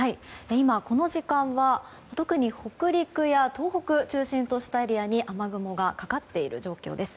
今、この時間が特に北陸や東北を中心としたエリアに雨雲がかかっている状況です。